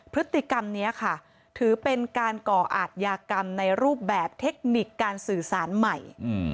พฤติกรรมนี้ค่ะถือเป็นการก่ออาทยากรรมในรูปแบบเทคนิคการสื่อสารใหม่